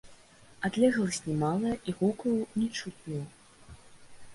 Адлегласць не малая, і гукаў не чутно.